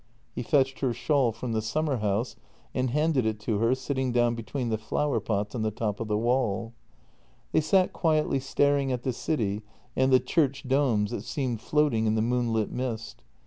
He fetched her shawl from the summer house and handed it to her, sitting down between the flower pots on the top of the wall. They sat quietly staring at the city and the church domes that seemed floating in the moonlit mist.